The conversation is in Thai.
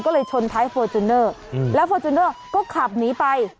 ก็เลยชนท้ายฟอร์จูเนอร์แล้วฟอร์จูเนอร์ก็ขับหนีไป